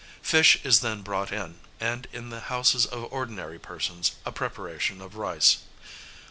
Fish is then brought in, and, in the houses of ordinary persons, a preparation of rice.